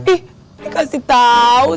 ih kasih tau